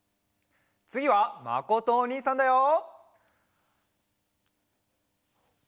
つぎはまことおにいさんだよ！